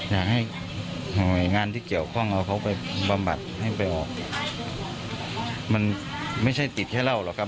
อยากให้หน่วยงานที่เกี่ยวข้องเอาเขาไปบำบัดให้ไปออกมันไม่ใช่ติดแค่เหล้าหรอกครับ